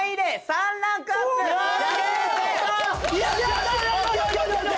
３ランクアップよ。